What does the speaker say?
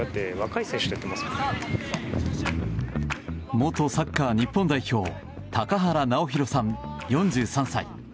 元サッカー日本代表高原直泰さん、４３歳。